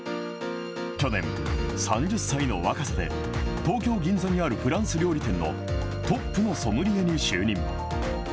去年、３０歳の若さで東京・銀座にあるフランス料理店のトップのソムリエに就任。